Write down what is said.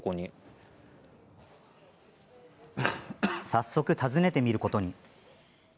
早速、訪ねてみることに。